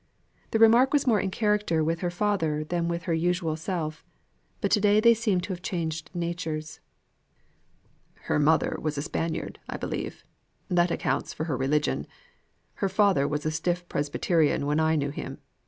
The remark was more in character with her father than with her usual self; but to day they seemed to have changed natures. "Her mother was a Spaniard, I believe: that accounts for her religion. Her father was a stiff Presbyterian when I knew him.